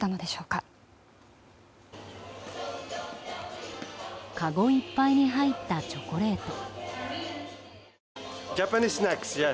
かごいっぱいに入ったチョコレート。